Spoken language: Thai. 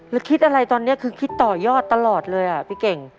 แล้วคิดอะไรตอนนี้คือคิดต่อยอดตลอดเลยอ่ะพี่เก่ง